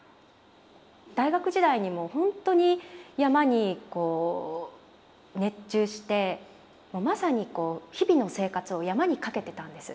大学時代にも本当に山にこう熱中してまさにこう日々の生活を山に懸けてたんです。